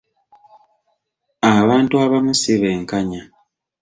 Abantu abamu si benkanya.